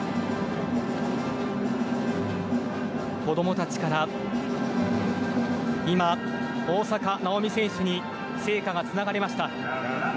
子どもたちから今、大坂なおみ選手に聖火がつながれました。